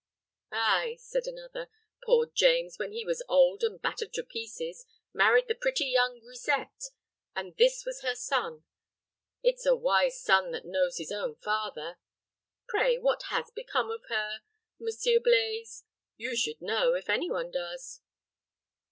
"Ay," said another, "poor James, when he was old, and battered to pieces, married the pretty young grisette, and this was her son. It's a wise son that knows his own father. Pray, what has become of her, Monsieur Blaize? You should know, if any one does."